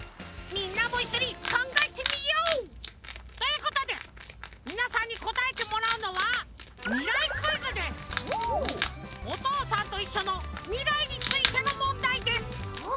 みんなもいっしょにかんがえてみよう！ということでみなさんにこたえてもらうのは「おとうさんといっしょ」のみらいについてのもんだいです。